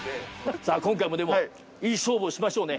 さあ今回もでもいい勝負をしましょうね。